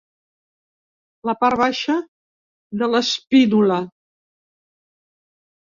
La part baixa de l'espínula.